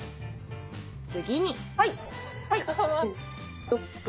次に。